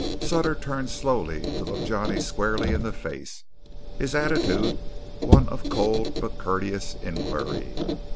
Sutter turned slowly, to look Johnny squarely in the face, his attitude one of cold but courteous inquiry.